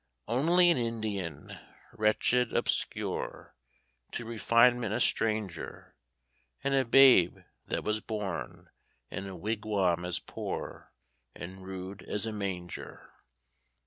Only an Indian! Wretched, obscure, To refinement a stranger, And a babe, that was born, in a wigwam as poor And rude as a manger.